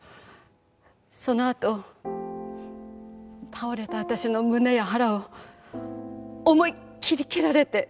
そのあと倒れた私の胸や腹を思いっきり蹴られて。